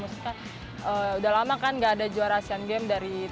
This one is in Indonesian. maksudnya udah lama kan gak ada juara asian games